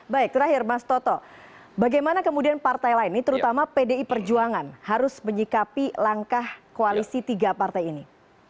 baik terakhir mas toto bagaimana kemudian partai lain ini terutama pdi perjuangan harus menyikapi langkah koalisi tiga partai ini